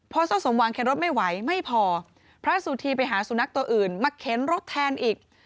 พอเจ้าสมหวังเข็นรถไม่ไหวไม่พอพระสุธีไปหาสุนัขตัวอื่นมาเข็นรถแทนอีก